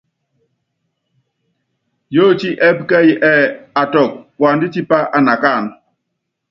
Yóótí ɛ́ɛ́pí kɛ́ɛ́yí ɛ́ɛ́: Atúkɔ, puandá tipá anakáánɛ́.